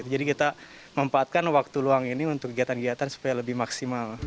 jadi kita mempaatkan waktu luang ini untuk kegiatan kegiatan supaya lebih maksimal